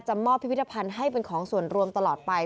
มอบพิพิธภัณฑ์ให้เป็นของส่วนรวมตลอดไป